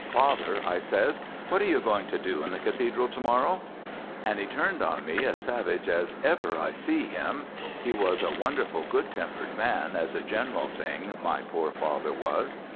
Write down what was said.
"'Father,' I says, 'what are you going to do in the Cathedral to morrow?' and he turned on me as savage as I ever see him he was a wonderful good tempered man as a general thing, my poor father was.